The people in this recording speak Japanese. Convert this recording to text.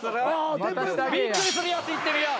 びっくりするやついってみよう。